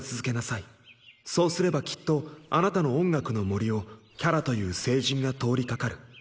そうすればきっとあなたの音楽の森をキャラという聖人が通りかかる。